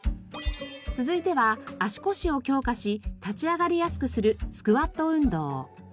続いては足腰を強化し立ち上がりやすくするスクワット運動。